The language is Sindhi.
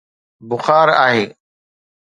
بخار آهي.